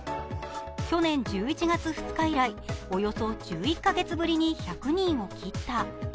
去年１１月２日以来、およそ１１カ月ぶりに１００人を切った。